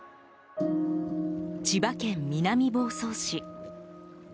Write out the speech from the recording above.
千葉県南房総市。